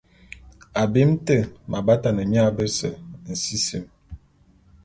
Abim té m’abatane mia bese nsisim.